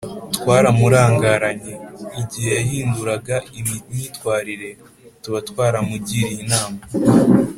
twaramurangaranye. igihe yahinduraga imyitwarire, tuba twaramugiriye inama